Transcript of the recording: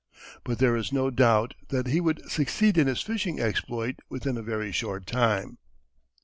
But there is no doubt that he would succeed in his "fishing" exploit within a very short time.